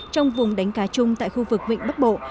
trong vùng đánh cá chung tại khu vực vịnh bắc bộ